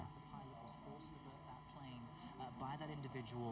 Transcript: pesawat tersebut juga berpikir bahwa mereka akan berpikir bahwa mereka akan berpikir